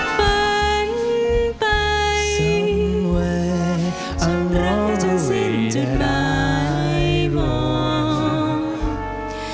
ฝันไปจุดรักให้จนเสร็จจุดบ่ายมอง